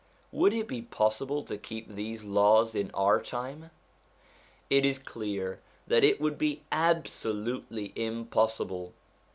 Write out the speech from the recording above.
Would it be possible to keep these laws in our time ? It is clear that it would be absolutely impossible.